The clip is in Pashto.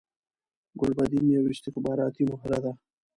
ګلبدین یوه استخباراتی مهره ده